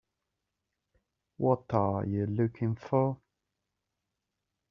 What are you looking for?